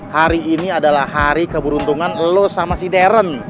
hari ini adalah hari keberuntungan lo sama si deren